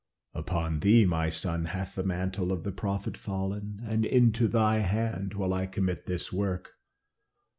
"Upon thee, my son, hath the mantle of the prophet fallen, and into thy hand will I commit this work.